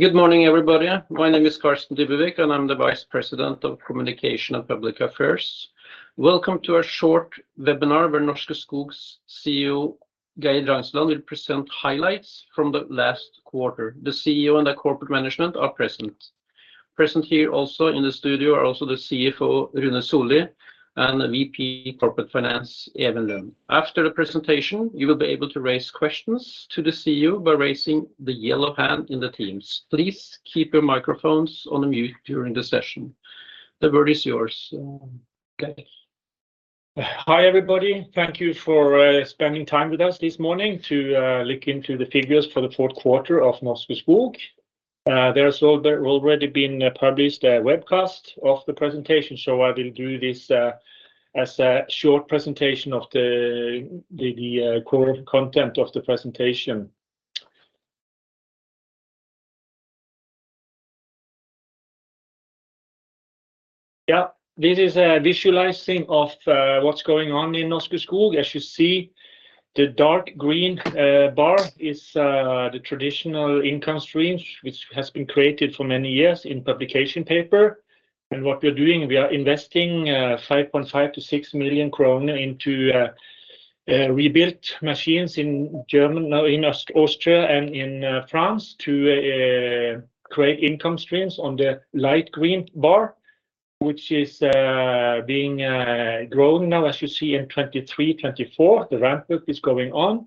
Good morning, everybody. My name is Carsten Dybevig, and I'm the Vice President of Communication and Public Affairs. Welcome to our short webinar, where Norske Skog's CEO, Geir Drangsland, will present highlights from the last quarter. The CEO and the Corporate Management are present. Present here also in the studio are also the CFO, Rune Sollie, and the VP Corporate Finance, Even Lund. After the presentation, you will be able to raise questions to the CEO by raising the yellow hand in the Teams. Please keep your microphones on mute during the session. The word is yours, Geir. Hi, everybody. Thank you for spending time with us this morning to look into the figures for the fourth quarter of Norske Skog. There's already been a published webcast of the presentation, so I will do this as a short presentation of the core content of the presentation. Yeah, this is a visualizing of what's going on in Norske Skog. As you see, the dark green bar is the traditional income stream, which has been created for many years in publication paper. And what we're doing, we are investing 5.5 million-6 million kroner into rebuilt machines in Austria and in France to create income streams on the light green bar, which is being grown now, as you see in 2023, 2024. The ramp up is going on,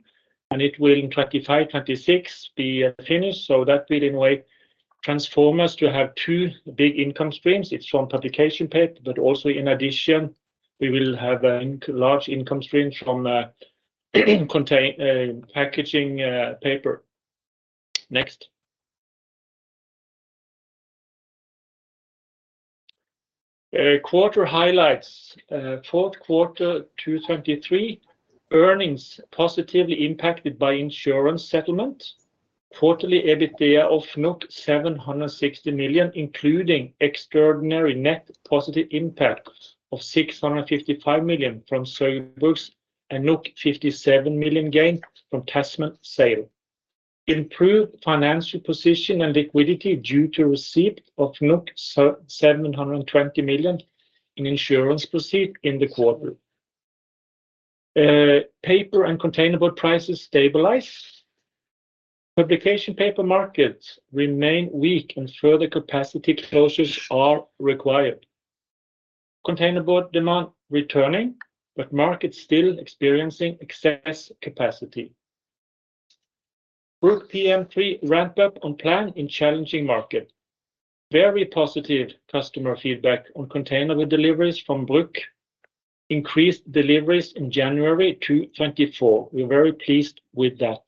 and it will in 2025-2026 be finished, so that will in a way transform us to have two big income streams. It's from publication paper, but also in addition, we will have a large income stream from container packaging paper. Next. Quarter highlights. Fourth quarter 2023, earnings positively impacted by insurance settlement. Quarterly EBITDA of 760 million, including extraordinary net positive impact of 655 million from Saugbrugs and 57 million gain from Tasman sale. Improved financial position and liquidity due to receipt of 720 million in insurance proceeds in the quarter. Paper and containerboard prices stabilized. Publication paper markets remain weak, and further capacity closures are required. Containerboard demand returning, but market still experiencing excess capacity. Bruck PM3 ramp up on plan in challenging market. Very positive customer feedback on containerboard deliveries from Bruck. Increased deliveries in January 2024. We're very pleased with that.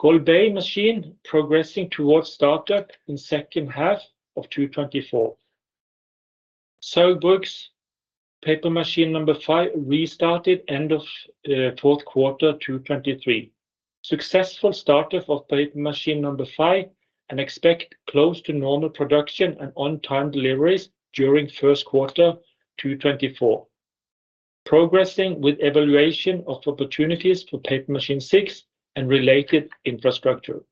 Golbey machine progressing towards startup in second half of 2024. Saugbrugs paper machine number five restarted end of fourth quarter 2023. Successful startup of paper machine number five, and expect close to normal production and on-time deliveries during first quarter 2024. Progressing with evaluation of opportunities for paper machine six and related infrastructure.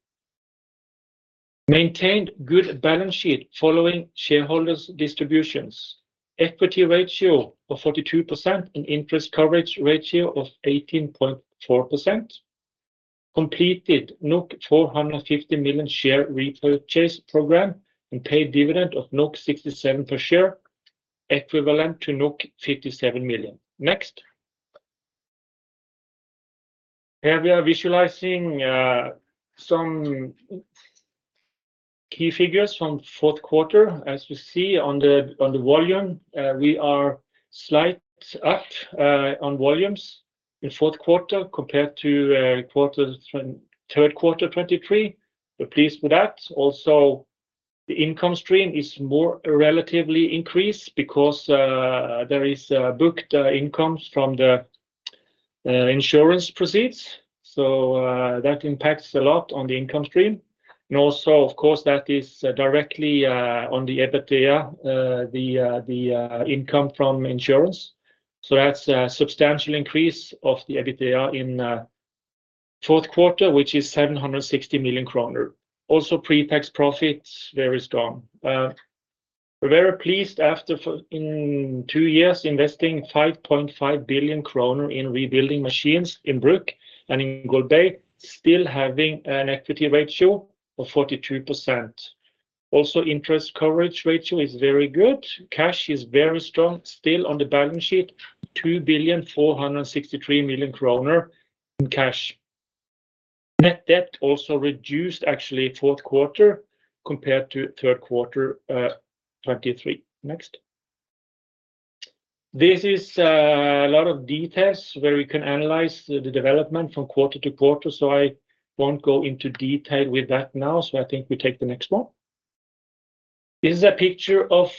Maintained good balance sheet following shareholders distributions. Equity ratio of 42% and interest coverage ratio of 18.4%. Completed 450 million share repurchase program, and paid dividend of 67 per share, equivalent to 57 million. Next. Here we are visualizing some key figures from fourth quarter. As you see on the, on the volume, we are slight up on volumes in fourth quarter compared to third quarter 2023. We're pleased with that. Also, the income stream is more relatively increased because there is booked incomes from the insurance proceeds, so that impacts a lot on the income stream. And also, of course, that is directly on the EBITDA, the income from insurance, so that's a substantial increase of the EBITDA in fourth quarter, which is 760 million kroner. Also, pre-tax profits, very strong. We're very pleased after in two years, investing 5.5 billion kroner in rebuilding machines in Bruck and in Golbey, still having an equity ratio of 42%. Also, interest coverage ratio is very good. Cash is very strong, still on the balance sheet, 2.463 billion in cash. Net debt also reduced actually fourth quarter compared to third quarter, 2023. Next. This is a lot of details where we can analyze the development from quarter to quarter, so I won't go into detail with that now, so I think we take the next one. This is a picture of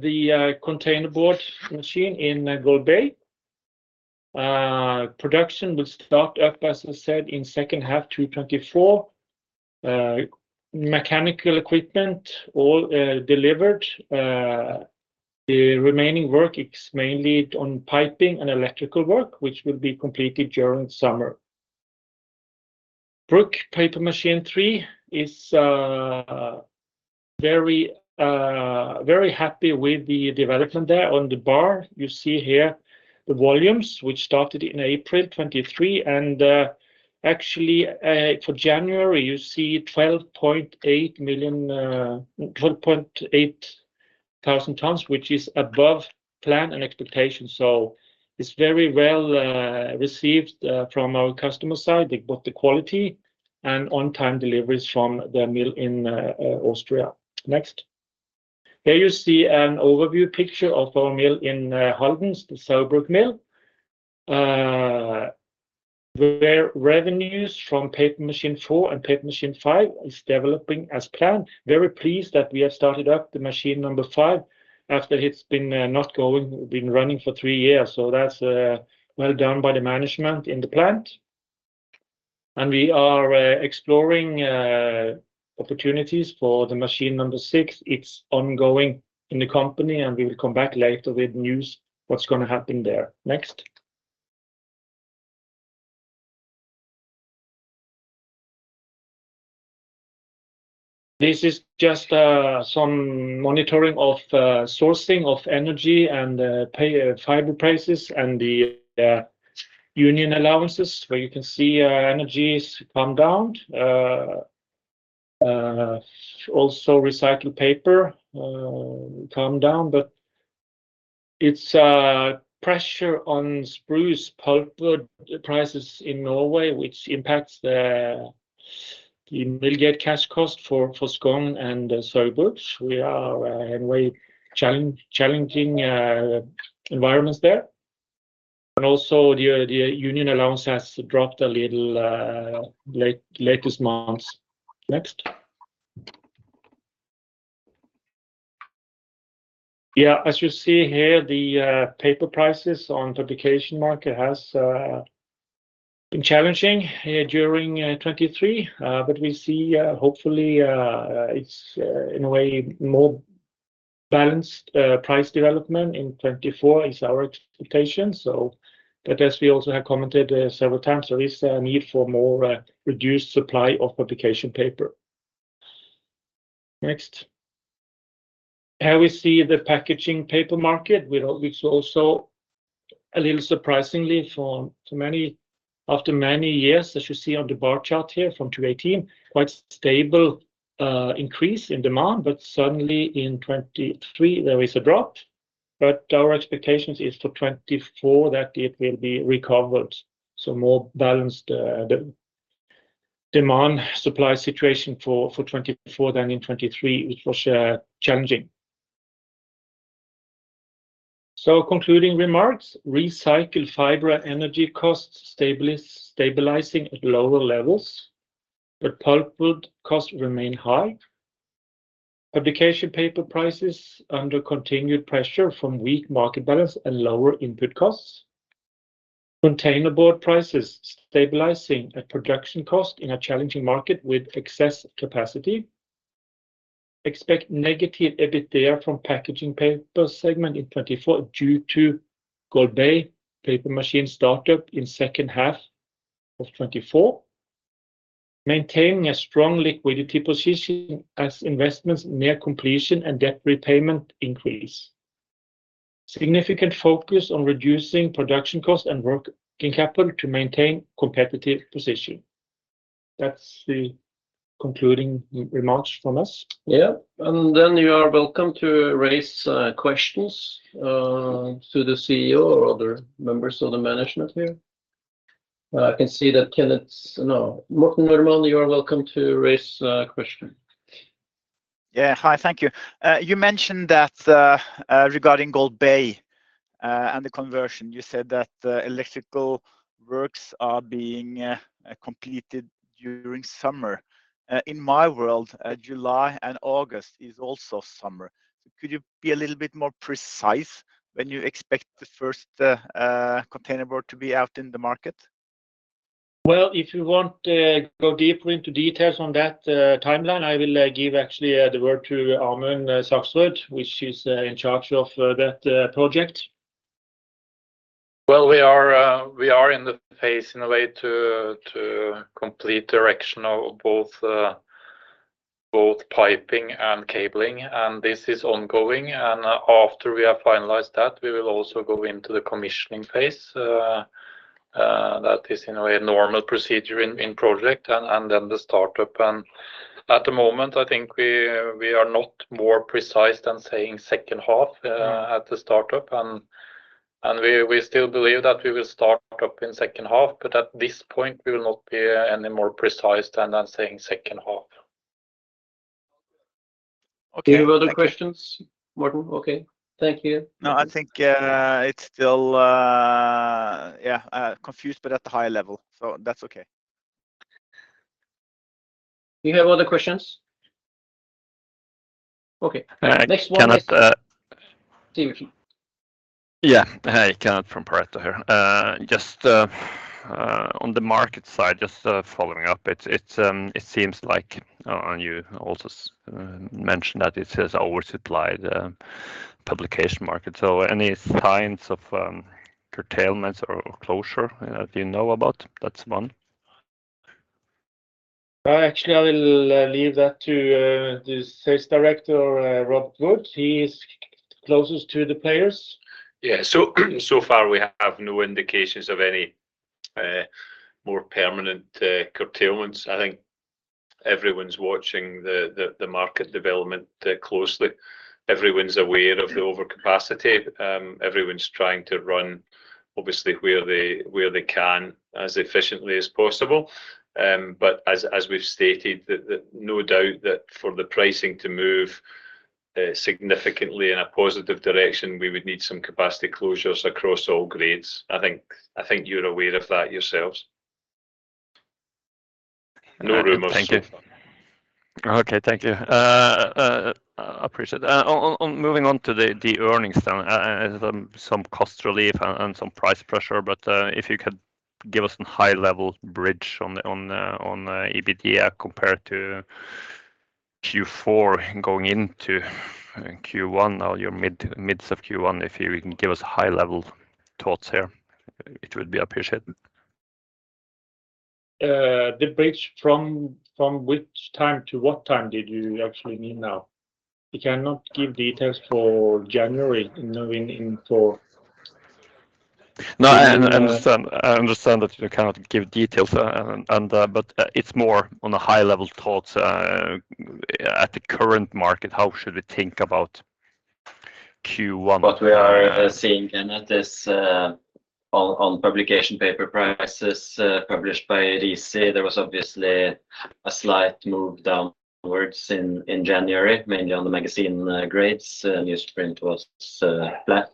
the containerboard machine in Golbey. Production will start up, as I said, in second half 2024. Mechanical equipment all delivered. The remaining work is mainly on piping and electrical work, which will be completed during summer. Bruck paper machine 3 is very very happy with the development there. On the bar, you see here the volumes, which started in April 2023, and actually, for January, you see 12.8 million, 12.8 thousand tons, which is above plan and expectation. So it's very well received from our customer side, both the quality and on-time deliveries from the mill in Austria. Next. Here you see an overview picture of our mill in Halden, the Saugbrugs mill. Where revenues from paper machine four and paper machine five is developing as planned. Very pleased that we have started up the machine number five after it's been not going, been running for three years. So that's well done by the management in the plant. We are exploring opportunities for the machine number six. It's ongoing in the company, and we will come back later with news, what's gonna happen there. Next. This is just some monitoring of sourcing of energy and pay, fiber prices and the union allowances, where you can see energy has come down. Also recycled paper come down, but it's a pressure on spruce pulpwood prices in Norway, which impacts the millgate cash cost for Skogn and Saugbrugs. We are in way challenge, challenging environments there, but also the union allowance has dropped a little late, latest months. Next. Yeah, as you see here, the paper prices on publication market has been challenging during 2023. But we see, hopefully, it's in a way, more balanced price development in 2024 is our expectation. But as we also have commented, several times, there is a need for more reduced supply of publication paper. Next. Here we see the packaging paper market, which also a little surprisingly for so many, after many years, as you see on the bar chart here from 2018, quite stable increase in demand, but suddenly in 2023, there is a drop. But our expectations is for 2024, that it will be recovered, so more balanced the demand supply situation for 2024 than in 2023, which was challenging. So concluding remarks, recycled fiber energy costs stabilizing at lower levels, but pulpwood costs remain high. Publication paper prices under continued pressure from weak market balance and lower input costs. Containerboard prices stabilizing at production cost in a challenging market with excess capacity. Expect negative EBITDA from packaging paper segment in 2024 due to Golbey paper machine startup in second half of 2024. Maintaining a strong liquidity position as investments near completion and debt repayment increase. Significant focus on reducing production cost and working capital to maintain competitive position. That's the concluding remarks from us. Yeah, and then you are welcome to raise questions to the CEO or other members of the management here. I can see that Kenneth, no, Morten Normann, you are welcome to raise a question. Yeah. Hi, thank you. You mentioned that, regarding Golbey, and the conversion, you said that the electrical works are being completed during summer. In my world, July and August is also summer. So could you be a little bit more precise when you expect the first containerboard to be out in the market? Well, if you want to go deeper into details on that timeline, I will actually give the word to Amund Saxrud, which is in charge of that project. Well, we are in the phase in a way to complete erection of both piping and cabling, and this is ongoing. And after we have finalized that, we will also go into the commissioning phase. That is in a way a normal procedure in project and then the startup. And at the moment, I think we are not more precise than saying second half at the startup, and we still believe that we will start up in second half, but at this point, we will not be any more precise than saying second half. Okay. Any other questions, Morten? Okay, thank you. No, I think it's still, yeah, confused, but at the high level, so that's okay. Do you have other questions? Okay, next one. Can I. Kenneth? Yeah. Hey, Kenneth from Pareto here. Just on the market side, just following up, it seems like, and you also mentioned that it is oversupplied, publication market. So any signs of curtailments or closure that you know about? That's one. Actually, I will leave that to the Sales Director, Rob Wood. He is closest to the players. Yeah, so, so far, we have no indications of any more permanent curtailments. I think everyone's watching the market development closely. Everyone's aware of the overcapacity. Everyone's trying to run, obviously, where they can as efficiently as possible. But as we've stated, no doubt that for the pricing to move significantly in a positive direction, we would need some capacity closures across all grades. I think you're aware of that yourselves. No rumors so far. Thank you. Okay, thank you. I appreciate it. On moving on to the earnings now, some cost relief and some price pressure, but if you could give us some high-level bridge on the EBITDA compared to Q4 going into Q1, now you're in the midst of Q1. If you can give us high-level thoughts here, it would be appreciated. The bridge from which time to what time did you actually mean now? We cannot give details for January in knowing in for. No, I understand. I understand that you cannot give details, and, but, it's more on the high-level thoughts. At the current market, how should we think about Q1? What we are seeing, and at this, on publication paper prices published by RISI, there was obviously a slight move downwards in January, mainly on the magazine grades. Newsprint was flat.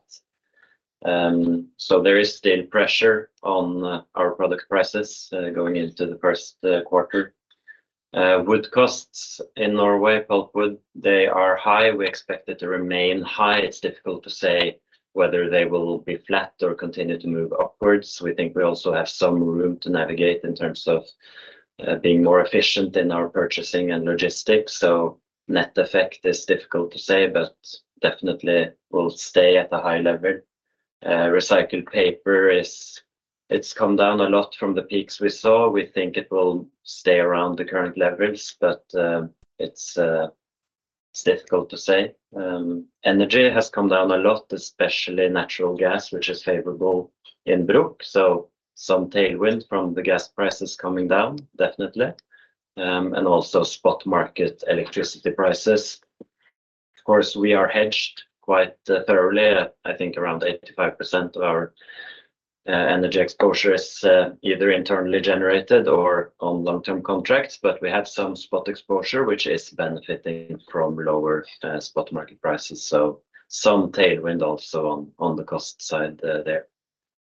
So there is still pressure on our product prices going into the first quarter. Wood costs in Norway, pulpwood, they are high. We expect it to remain high. It's difficult to say whether they will be flat or continue to move upwards. We think we also have some room to navigate in terms of being more efficient in our purchasing and logistics, so net effect is difficult to say, but definitely will stay at a high level. Recycled paper is, it's come down a lot from the peaks we saw. We think it will stay around the current levels, but it's difficult to say. Energy has come down a lot, especially natural gas, which is favorable in Bruck, so some tailwind from the gas prices coming down, definitely, and also spot market electricity prices. Of course, we are hedged quite thoroughly. I think around 85% of our energy exposure is either internally generated or on long-term contracts, but we have some spot exposure, which is benefiting from lower spot market prices, so some tailwind also on the cost side there.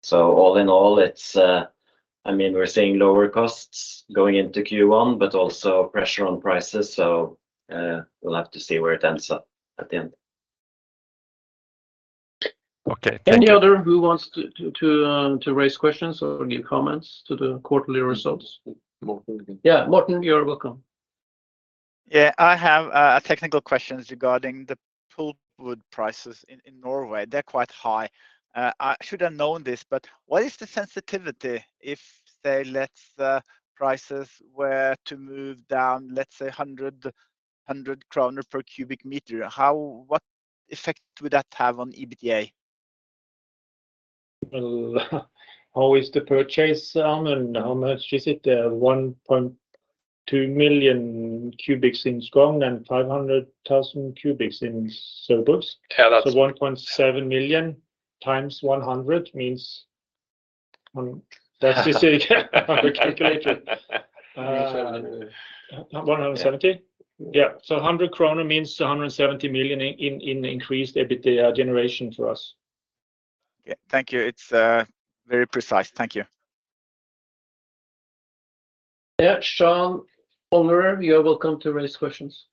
So all in all, it's, I mean, we're seeing lower costs going into Q1, but also pressure on prices, so we'll have to see where it ends up at the end. Okay, thank you. Any other who wants to raise questions or give comments to the quarterly results? Morten. Yeah, Morten, you're welcome. Yeah, I have technical questions regarding the pulpwood prices in Norway. They're quite high. I should have known this, but what is the sensitivity if they let the prices were to move down, let's say, 100 kroner per cubic meter? What effect would that have on EBITDA? Well, how is the purchase, and how much is it? 1.2 million cubics in Skogn and 500,000 cubics in Saugbrugs. Yeah, that's- 1.7 million x 100 means, that's just. The calculator. Uh. 170? Yeah, so 100 krone means 170 million in increased EBITDA generation to us. Yeah. Thank you. It's very precise. Thank you. Yeah, Sean Horgan, you're welcome to raise questions.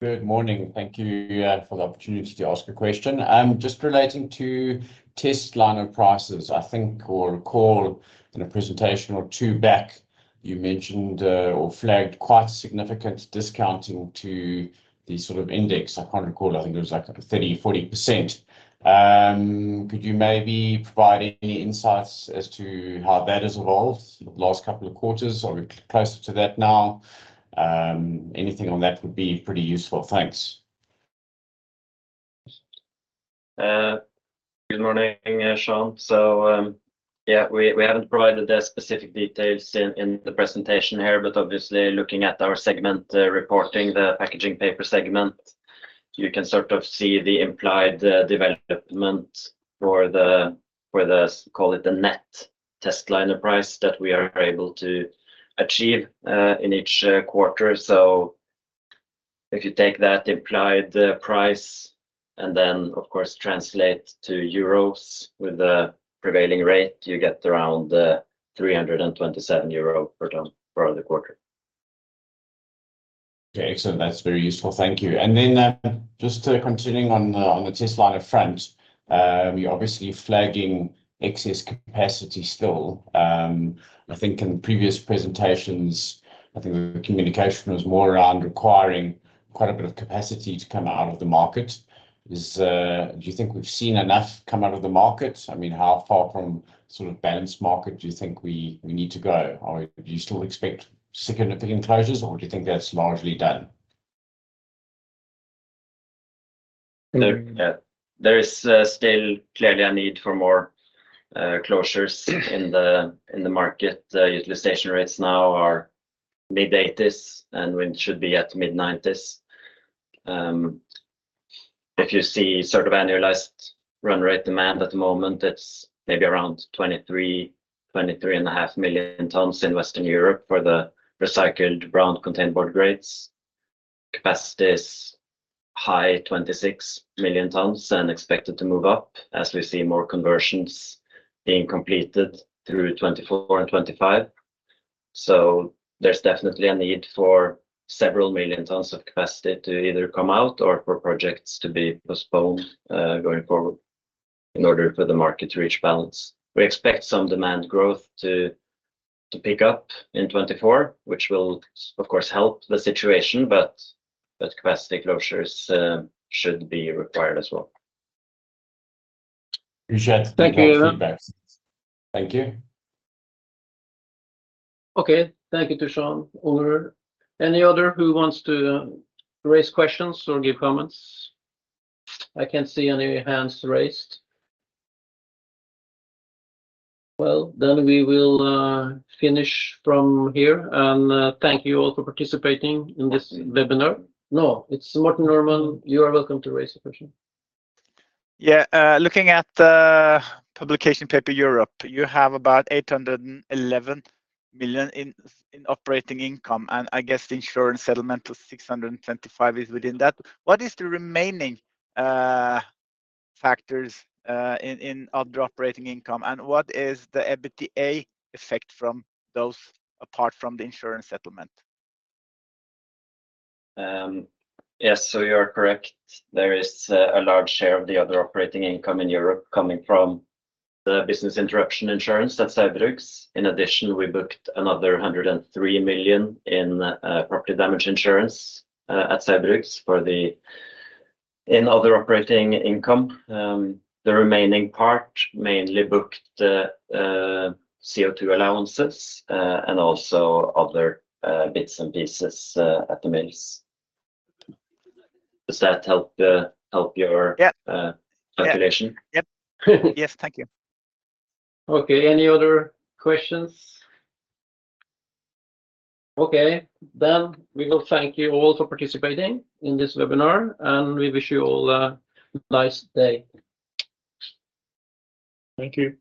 Good morning. Thank you, for the opportunity to ask a question. Just relating to Testliner prices, I think or recall in a presentation or two back, you mentioned, or flagged quite significant discounting to the sort of index. I can't recall. I think it was like 30%-40%. Could you maybe provide any insights as to how that has evolved the last couple of quarters or closer to that now? Anything on that would be pretty useful. Thanks. Good morning, Sean. So, yeah, we, we haven't provided the specific details in, in the presentation here, but obviously, looking at our segment reporting, the packaging paper segment, you can sort of see the implied development for the, call it, the net testliner price that we are able to achieve in each quarter. So if you take that implied price and then, of course, translate to euros with the prevailing rate, you get around 327 euro per ton for the quarter. Okay, excellent. That's very useful. Thank you. And then, just, continuing on the, on the testliner upfront, you're obviously flagging excess capacity still. I think in previous presentations, I think the communication was more around requiring quite a bit of capacity to come out of the market. Is, do you think we've seen enough come out of the market? I mean, how far from sort of balanced market do you think we, we need to go? Or do you still expect significant closures, or do you think that's largely done? There is still clearly a need for more closures in the market. Utilization rates now are mid-80s, and we should be at mid 90s. If you see sort of annualized run rate demand at the moment, it's maybe around 23 million-23.5 million tons in Western Europe for the recycled brown containerboard grades. Capacity is high, 26 million tons, and expected to move up as we see more conversions being completed through 2024 and 2025. So there's definitely a need for several million tons of capacity to either come out or for projects to be postponed going forward in order for the market to reach balance. We expect some demand growth to pick up in '2024, which will, of course, help the situation, but capacity closures should be required as well. Appreciate. Thank you, Rune. Thank you. Okay. Thank you to Sean, Rune. Any other who wants to raise questions or give comments? I can't see any hands raised. Well, then we will finish from here. And thank you all for participating in this webinar. No, it's Morten Normann. You are welcome to raise a question. Yeah, looking at the publication paper Europe, you have about 811 million in operating income, and I guess the insurance settlement of 625 million is within that. What is the remaining factors in other operating income, and what is the EBITDA effect from those, apart from the insurance settlement? Yes, so you are correct. There is a large share of the other operating income in Europe coming from the business interruption insurance at Saugbrugs. In addition, we booked another 103 million in property damage insurance at Saugbrugs for the, in other operating income, the remaining part mainly booked CO2 allowances and also other bits and pieces at the mills. Does that help your. Yeah. Uh, calculation? Yep. Yes, thank you. Okay. Any other questions? Okay, then we will thank you all for participating in this webinar, and we wish you all a nice day. Thank you.